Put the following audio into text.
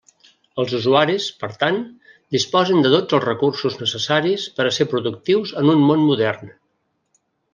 Els usuaris, per tant, disposen de tots els recursos necessaris per a ser productius en un món modern.